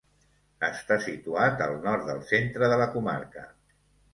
Està situat al nord del centre de la comarca.